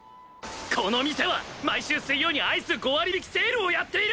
この店は毎週水曜にアイス５割引セールをやっている！